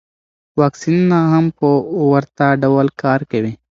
واکسینونه هم په ورته ډول کار کوي.